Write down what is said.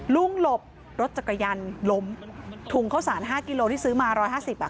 ลุงหลบรถจักรยันลมถุงข้าวสารห้ากิโลที่ซื้อมาร้อยห้าสิบอ่ะ